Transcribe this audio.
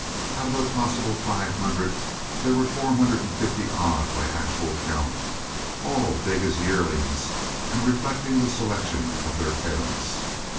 Out of a possible five hundred, there were four hundred and fifty odd by actual count, all big as yearlings and reflecting the selection of their parents.